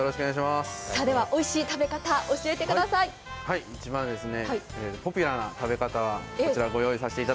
おいしい食べ方、教えてください！